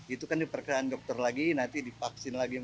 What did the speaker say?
itu kan diperkiraan dokter lagi nanti divaksin lagi